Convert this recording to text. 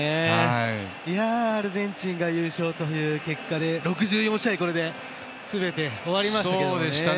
アルゼンチンが優勝という結果でこれで６４試合すべて終わりましたね。